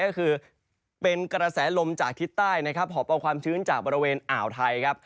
ก็คือเป็นกระแสลมจากทิศใต้นะครับหอบเอาความชื้นจากบริเวณอ่าวไทยครับ